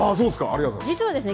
実はですね